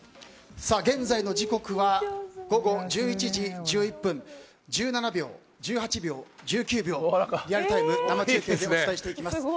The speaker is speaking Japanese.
現在の時刻は午後１１時１１分１７秒、１８秒、１９秒リアルタイム生中継でお伝えします。